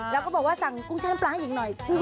แล้วก็บอกว่าสั่งกุ้งแชน้ำปลาให้อีกหน่อย